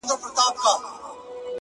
يوه د ميني زنده گي راوړي!!